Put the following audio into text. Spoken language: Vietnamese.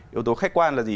yếu tố khách quan là gì